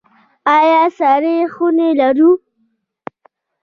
آیا سړې خونې لرو؟